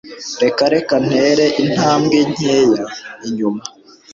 reka reka ntere intambwe nkeya inyuma